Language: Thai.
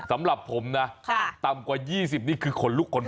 สำหรับผมนะต่ำกว่า๒๐นี่คือขนลุกขน